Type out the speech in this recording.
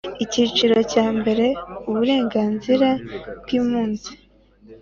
Icyiciro cya mbere Uburenganzira bw impunzi